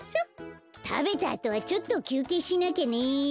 たべたあとはちょっときゅうけいしなきゃね。